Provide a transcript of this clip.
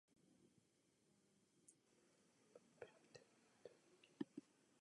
No Market Basket employees belong to any trade union.